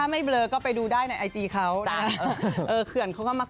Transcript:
ฮะลี่ก็เขียนพี่แจ๊คได้เขียนหรือเปล่า